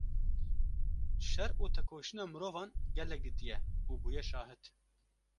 şer û tekoşîna mirovan gelek dîtiye û bûye şahid.